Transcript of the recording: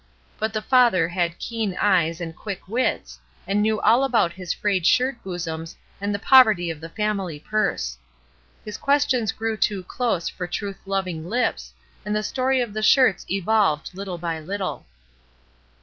But the father had keen eyes and quick wits, and knew all about his frayed shirt bosoms and the poverty of the family purse. His questions grew too close for truth loving lips, and the story of the shirts evolved little by little.